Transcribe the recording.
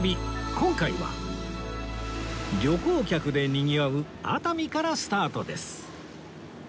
今回は旅行客でにぎわう熱海からスタートです